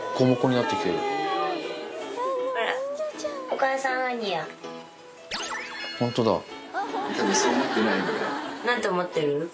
なんと思ってる？